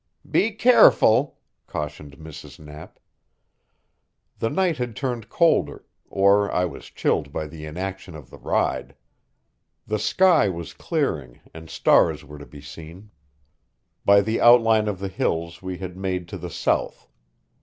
"Be careful," cautioned Mrs. Knapp. The night had turned colder, or I was chilled by the inaction of the ride. The sky was clearing, and stars were to be seen. By the outline of the hills we had made to the south.